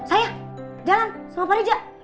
ayah jalan sama pak reza